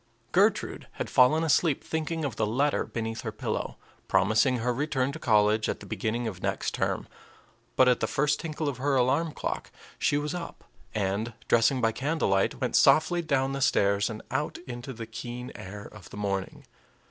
Gertrude had fallen asleep thinking of the letter beneath her pillow, promising her return to college at the beginning of next term; but at the first tinkle of her alarm clock she was up, and, dressing by candlelight, went softly down the stairs and out into the keen air of the morning.